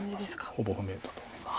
ほぼ不明だと思います。